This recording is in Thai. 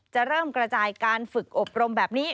จะเริ่มกระจายการฝึกอบรมแบบนี้